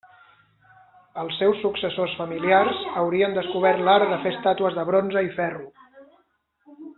Els seus successors familiars haurien descobert l'art de fer estàtues en bronze i ferro.